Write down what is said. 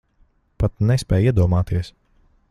Pat nespēj iedomāties.